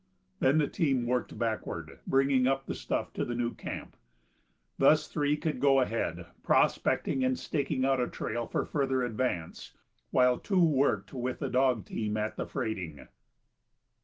Then the team worked backward, bringing up the stuff to the new camp. Thus three could go ahead, prospecting and staking out a trail for further advance, while two worked with the dog team at the freighting.